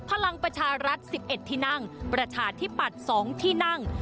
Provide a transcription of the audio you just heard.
พลังประชารัฐ๑๑ที่นั่งประชาธิปัตย์๒ที่นั่ง